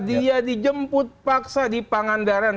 dia dijemput paksa di pangandaran